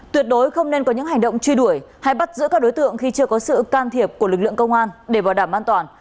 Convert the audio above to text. tuyệt đối không nên có những hành động truy đuổi hay bắt giữ các đối tượng khi chưa có sự can thiệp của lực lượng công an để bảo đảm an toàn